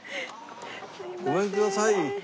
ごめんください。